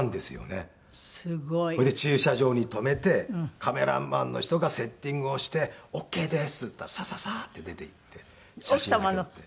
それで駐車場に止めてカメラマンの人がセッティングをして「オーケーです」って言ったらサササッて出て行って写真だけ撮って。